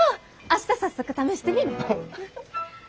明日早速試してみる。